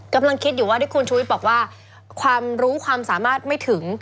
กำลังคิดอยู่ว่าที่คุณชุวิตบอกว่าความรู้ความสามารถไม่ถึง